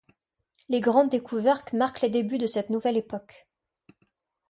Les grandes découvertes marquent les débuts de cette nouvelle époque.